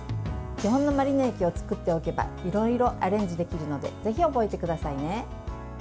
基本のマリネ液を作っておけばいろいろアレンジできるのでぜひ覚えてくださいね。